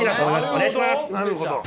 お願いします。